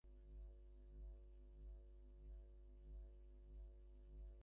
প্রত্যেক চিন্তা বা ভাবেরই একটি নির্দিষ্ট নাম ও একটি নির্দিষ্ট রূপ আছে।